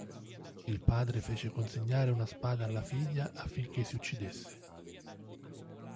Il padre fece consegnare una spada alla figlia, affinché si uccidesse.